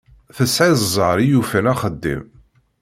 Tesεiḍ ẓẓher i yufan axeddim.